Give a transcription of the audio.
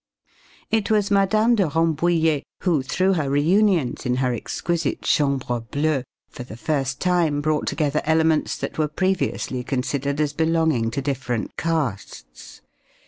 It was Mme. de Rambouillet who, through her reunions in her exquisite Chambre Bleue, for the first time brought together elements that were previously considered as belonging to different castes.